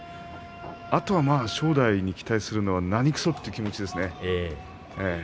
あとは正代に期待するのは何くそという気持ちですね。